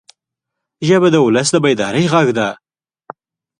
ژبه د ولس د بیدارۍ غږ ده